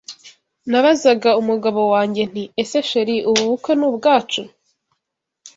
Nabazaga umugabo wanjye nti ese chr ubu bukwe ni ubwacu